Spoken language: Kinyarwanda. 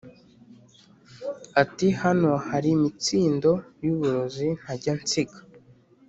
ati"hano harimitsindo yuburozi ntajya nsiga